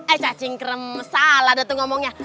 eh cacing krem salah tuh ngomongnya